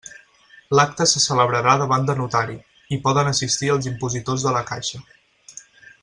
L'acte se celebrarà davant de notari, i poden assistir els impositors de la caixa.